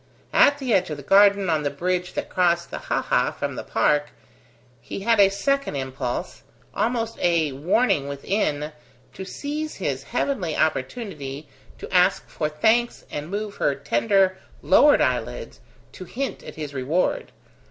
At the edge of the garden, on the bridge that crossed the haha from the park, he had a second impulse, almost a warning within, to seize his heavenly opportunity to ask for thanks and move her tender lowered eyelids to hint at his reward.